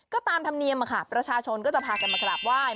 ก็ตามธรรมเนียมค่ะประชาชนก็จะพากันมากราบไหว้